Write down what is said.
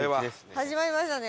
始まりましたね。